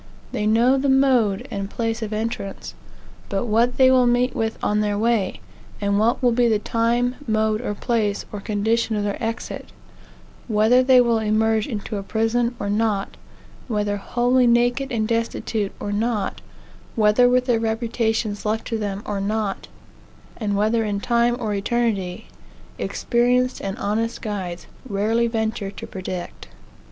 They know the mode and place of entrance; but what they will meet with on their way, and what will be the time, mode, place, or condition of their exit; whether they will emerge into a prison, or not; whether wholly naked and destitute, or not; whether with their reputations left to them, or not; and whether in time or eternity; experienced and honest guides rarely venture to predict.